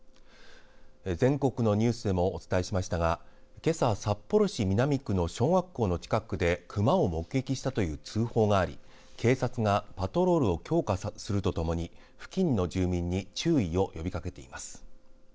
全国のニュースでもお伝えしましたが、けさ札幌市南区の小学校の近くで熊を目撃したという通報があり警察がパトロールを強化するとともに付近の住民に注意を呼びかけています。